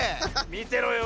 みてろよ！